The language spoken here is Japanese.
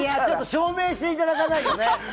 証明していただかないとね。